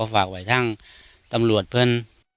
ฝากไว้ทั้งตำรวดเพิ่ม